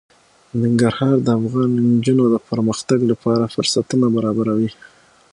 ننګرهار د افغان نجونو د پرمختګ لپاره فرصتونه برابروي.